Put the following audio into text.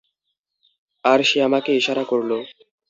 আর সে আমাকে ইশারা করলো।